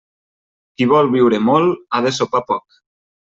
Qui vol viure molt, ha de sopar poc.